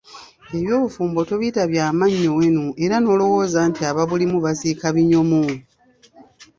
Eby'obufumbo tobiyita bya mannyo wenu era n'olowooza nti ababulimu basiika binyomo!